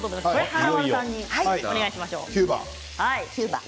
華丸さんにお願いします。